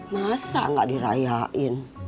masa nggak dirayain